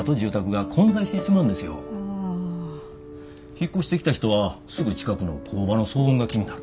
引っ越してきた人はすぐ近くの工場の騒音が気になる。